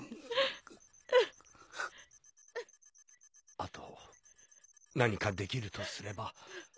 あと何かできるとすれば。